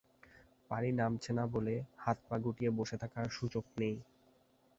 পানি নামছে না বলে হাত পা গুটিয়ে বসে থাকার সুযোগ নেই।